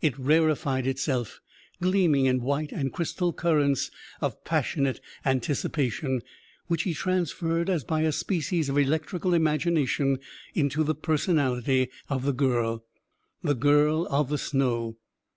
It rarefied itself, gleaming in white and crystal currents of passionate anticipation, which he transferred, as by a species of electrical imagination, into the personality of the girl the Girl of the Snow.